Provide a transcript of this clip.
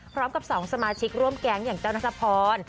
พร้อมกับ๒สมาชิกร่วมแก๊งอย่างแต้วนัทพร